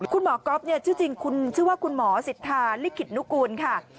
คุณหมอก๊อฟชื่อว่าคุณหมอสิทธาลิขิตนุกูลค่ะ